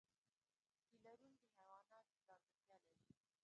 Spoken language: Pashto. تی لرونکي حیوانات څه ځانګړتیا لري؟